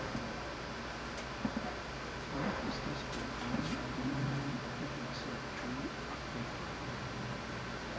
Auch ist das Programm online über Zattoo abrufbar.